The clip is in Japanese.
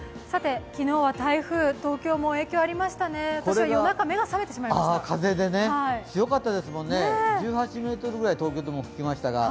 昨日は台風、東京も影響ありましたね、私は夜中、目が覚めてしまいました風が強かったですからね、１８ｍくらい、東京でも吹きましたから。